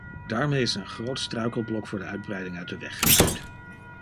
Daarmee is een groot struikelblok voor de uitbreiding uit de weg geruimd.